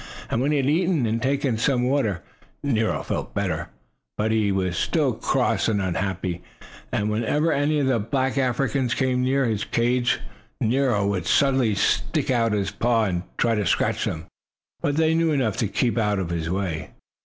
And when he had eaten and taken some water, Nero felt better. But he was still cross and unhappy, and whenever any of the black Africans came near his cage Nero would suddenly stick out his paws and try to scratch them. But they knew enough to keep out of his way.